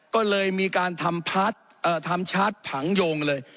ก็เลยมีการทำพาร์ททำชาร์จผังโยงเลย